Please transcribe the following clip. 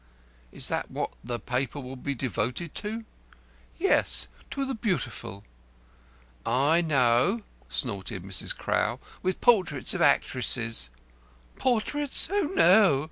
"Is that what the paper will be devoted to?" "Yes. To the Beautiful." "I know," snorted Mrs. Crowl, "with portraits of actresses." "Portraits? Oh, no!"